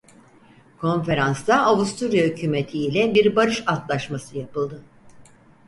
Konferansta Avusturya hükûmeti ile bir barış antlaşması yapıldı.